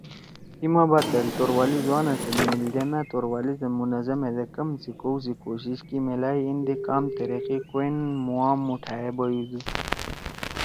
ای ما بعد دأل توروالی زُوانا سیت میِلدے مأ توروالی زید منظم ہیدے کم سی کؤ سی کوشش کی میلائی ایندے کام تیِریِقی کُوئین مُوا مُوٹھائے بیدُو۔